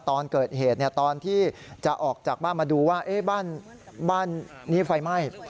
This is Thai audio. ตอนเกิดเหตุตอนที่จะออกจากบ้านมาดูว่าบ้านนี้ไฟไหม้